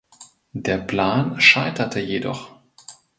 Der Plan scheiterte jedoch.